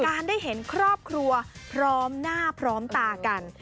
การได้เห็นครอบครัวพร้อมหน้าพร้อมตากัน